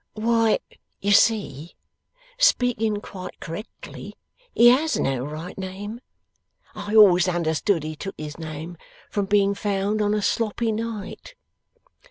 'Why, you see, speaking quite correctly, he has no right name. I always understood he took his name from being found on a Sloppy night.